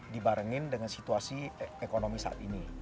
dibarengin dengan situasi ekonomi saat ini